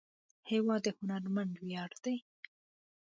هېواد د هنرمند ویاړ دی.